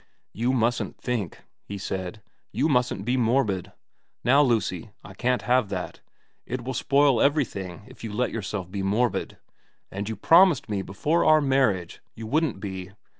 * You mustn't think,' he said. ' You mustn't be morbid. Now Lucy, I can't have that. It will spoil everything if you let yourself be morbid. And you HV VERA 153 promised me before our marriage you wouldn't be.